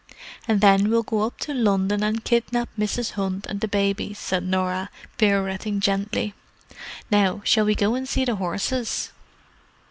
"And then we'll go up to London and kidnap Mrs. Hunt and the babies," said Norah, pirouetting gently. "Now, shall we go and see the horses?"